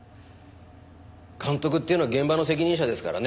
監督っていうのは現場の責任者ですからね